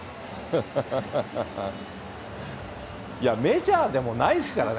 いや、メジャーでもないですからね。